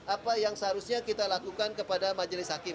apa yang seharusnya kita lakukan kepada majelis hakim